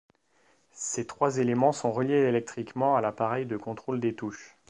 Ces trois éléments sont reliés électriquement à l’appareil de contrôle des touches.